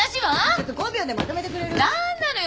５秒でまとめてくれる？